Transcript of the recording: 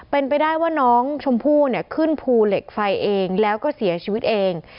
เป็นไปได้ว่าน้องชมพู่เนี่ยขึ้นภูเหล็กไฟเองแล้วก็เสียชีวิตเอง